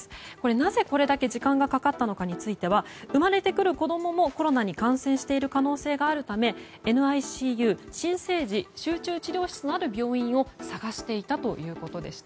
なぜ、これだけ時間がかかったのかについては生まれてくる子供もコロナに感染している可能性があるためＮＩＣＵ・新生児集中治療室がある病院を探していたということでした。